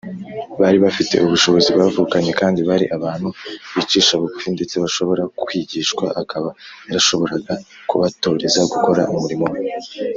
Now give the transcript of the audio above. bari bafite ubushobozi bavukanye kandi bari abantu bicisha bugufi ndetse bashobora kwigishwa, akaba yarashoboraga kubatoreza gukora umurimo we